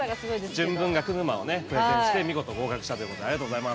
「純文学沼」をねプレゼンして見事合格したということでありがとうございます。